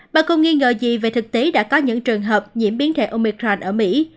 bà cũng nghi ngờ gì về thực tế đã có những trường hợp nhiễm biến thể omicron ở mỹ